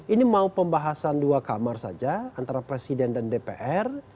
ini mau pembahasan dua kamar saja antara presiden dan dpr